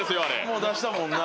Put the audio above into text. もう出したもんな。